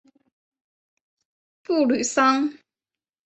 布吕桑。